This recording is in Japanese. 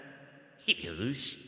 よし。